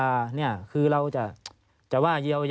อ่าเนี่ยคือเราจะว่า